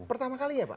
pertama kali ya pak